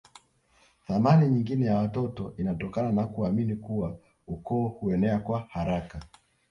Thamani nyingine ya watoto inatokana na kuamini kuwa ukoo huenea kwa haraka